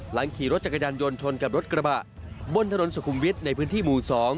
ขี่รถจักรยานยนต์ชนกับรถกระบะบนถนนสุขุมวิทย์ในพื้นที่หมู่๒